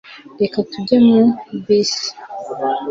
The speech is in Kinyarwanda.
Reka tujye muri bisi